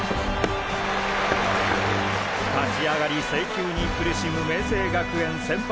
立ち上がり制球に苦しむ明青学園先発